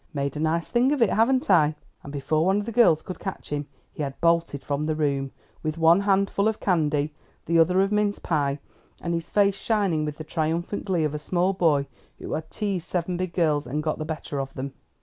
Made a nice thing of it, haven't I?" and before one of the girls could catch him he had bolted from the room, with one hand full of candy, the other of mince pie, and his face shining with the triumphant glee of a small boy who has teased seven big girls, and got the better of them.